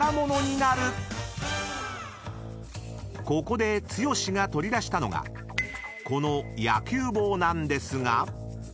［ここで剛が取り出したのがこの野球帽なんですが］